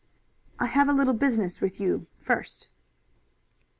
"I have a little business with you first."